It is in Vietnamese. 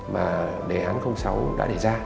mà đề án sáu đã đề ra